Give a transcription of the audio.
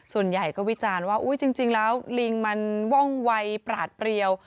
ส่วนใหญ่ก็วิจารณ์ว่าจริงแล้วลิงมันว่องวัยปราดเปรียว